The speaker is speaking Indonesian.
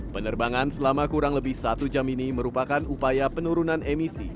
penerbangan selama kurang lebih satu jam ini merupakan upaya penurunan emisi